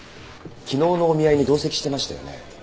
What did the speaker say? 昨日のお見合いに同席してましたよね？